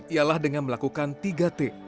ialah dengan melakukan tiga t